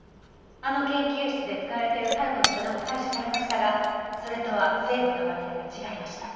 あの研究室で使われているタルクの粉も採取されましたがそれとは成分の割合が違いました。